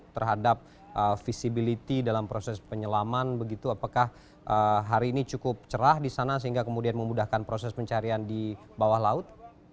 terhadap visibility dalam proses penyelaman begitu apakah hari ini cukup cerah di sana sehingga kemudian memudahkan proses pencarian di bawah laut